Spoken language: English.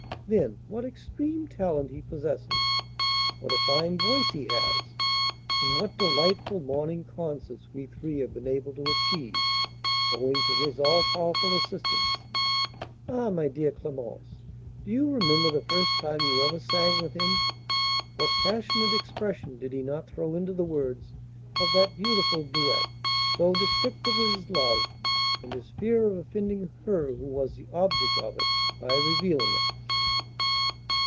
Then, what extreme talent he possesses! What a fine voice he has! And what delightful morning concerts we three have been able to achieve, owing to his all powerful assistance! Ah, my dear Clémence, do you remember the first time you ever sang with him: what passionate expression did he not throw into the words of that beautiful duet, so descriptive of his love, and his fear of offending her who was the object of it, by revealing it?"